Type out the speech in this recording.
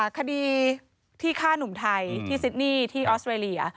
คดีที่ฆ่าหนุ่มไทยที่ซิดนี่ที่ออสเวรีย